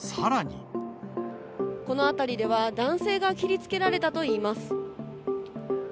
この辺りでは、男性が切りつけられたといいます。